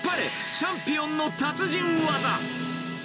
チャンピオンの達人技。